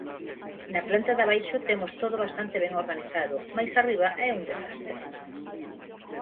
Na planta de abaixo temos todo bastante ben organizado, mais arriba é un desastre...